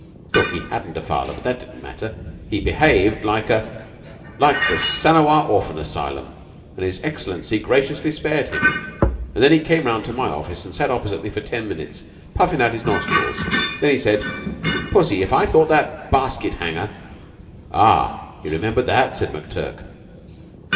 Stalky hadn't a father, but that didn't matter. He behaved like a like the Sanawar Orphan Asylum, and His Excellency graciously spared him. Then he came round to my office and sat opposite me for ten minutes, puffing out his nostrils. Then he said, 'Pussy, if I thought that basket hanger '" "Hah! He remembered that," said McTurk.